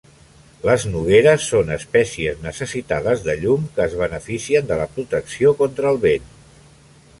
Les nogueres son espècies necessitades de llum que es beneficien de la protecció contra el vent.